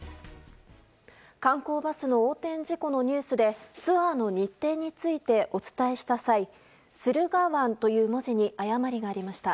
観光バスの横転事故のニュースでツアーの日程についてお伝えした際駿河湾という文字に誤りがありました。